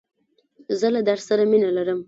زه له درس سره مینه لرم.